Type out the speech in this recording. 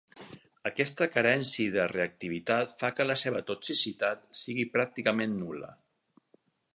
Aquesta carència de reactivitat fa que la seva toxicitat sigui pràcticament nul·la.